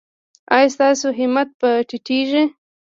ایا ستاسو همت به ټیټیږي؟